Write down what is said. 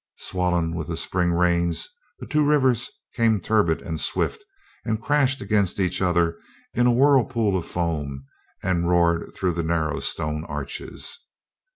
Swollen with the spring rains, the two rivers came turbid and swift and crashed against each other in a whirlpool of foam and roared through the narrow stone arches.